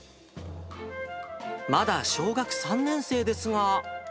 まだ小学３年生ですが。